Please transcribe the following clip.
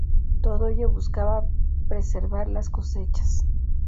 Todo ello buscaba preservar las cosechas.